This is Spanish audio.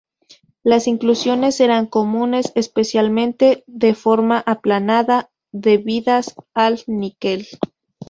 Las inclusiones eran comunes, especialmente de forma aplanada, debidas al níquel.